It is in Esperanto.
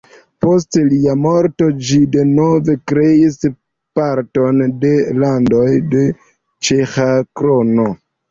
Post lia morto ĝi denove kreis parton de Landoj de Ĉeĥa Krono.